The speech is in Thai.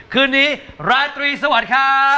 คืนนี้ราตรีสวัสดีครับ